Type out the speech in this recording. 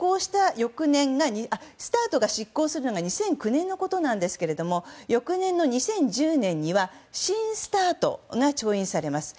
ＳＴＡＲＴが失効するのが２００９年のことなんですけど翌年の２０１０年には新ＳＴＡＲＴが調印されます。